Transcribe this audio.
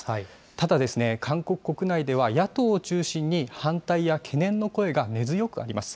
ただですね、韓国国内では野党を中心に反対や懸念の声が根強くあります。